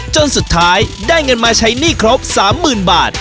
จนสุดท้ายได้เงินมาใช้หนี้ครบ๓๐๐๐บาท